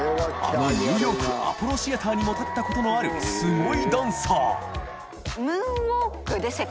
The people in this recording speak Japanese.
ニューヨーク・アポロシアターにも立ったことのある垢瓦ぅ瀬